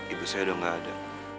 ibu saya udah gak ada